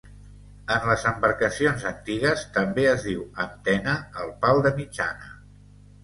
En les embarcacions antigues també es diu antena al pal de mitjana.